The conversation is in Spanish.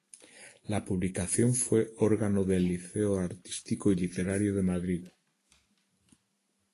La publicación fue órgano del Liceo Artístico y Literario de Madrid.